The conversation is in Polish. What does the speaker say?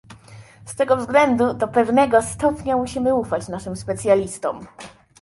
Z tego względu do pewnego stopnia musimy ufać naszym specjalistom